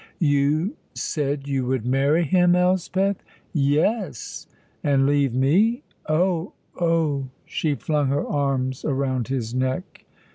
"You said you would marry him, Elspeth?" "Yes!" "And leave me?" "Oh, oh!" She flung her arms around his neck.